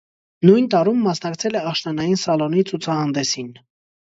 Նույն տարում մասնակցել է աշնանային սալոնի ցուցահանդեսին։